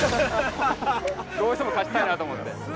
どうしても勝ちたいなと思って。